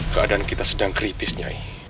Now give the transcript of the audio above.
keadaan kita sedang kritis nyai